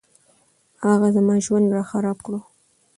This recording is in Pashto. هغه زما ژوند راخراب کړو